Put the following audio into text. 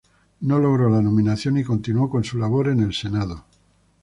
No logró la nominación y continuó con su labor en el Senado.